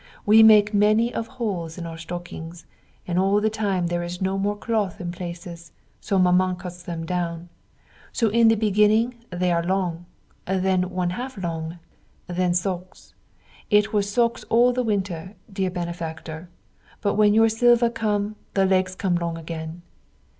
We make many of holes in our stockings and all the time there is no more cloth in places, so Maman cuts them down. So in the beginning they are long, then 1/2 long, then socks. It was socks all the winter, dear benefactor, but when your silver come, the legs come long again.